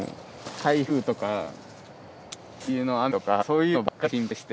台風とか梅雨の雨とかそういうのばっかり心配して。